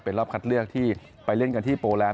เป็นรอบคัดเลือกที่ไปเล่นกันที่โปรแลนด